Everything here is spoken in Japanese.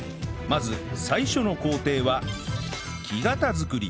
まず最初の工程は